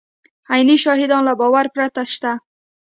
عیني شیان له باور پرته شته.